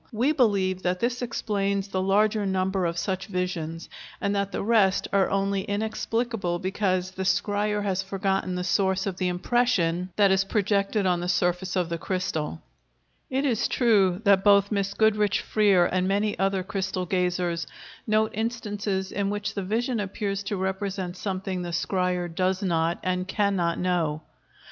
We believe that this explains the larger number of such visions, and that the rest are only inexplicable because the scryer has forgotten the source of the impression that is projected on the surface of the crystal. [Illustration: ROCK CRYSTAL SPHERES. JAPANESE. (See page 217.)] It is true that both Miss Goodrich Freer and many other crystal gazers note instances in which the vision appears to represent something the scryer does not and cannot know.